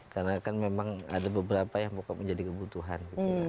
karena kan memang ada beberapa yang menjadi kebutuhan